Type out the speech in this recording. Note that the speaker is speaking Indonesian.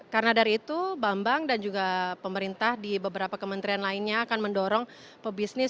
karena dari itu bambang dan juga pemerintah di beberapa kementerian lainnya akan mendorong pebisnis